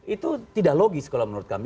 itu tidak logis kalau menurut kami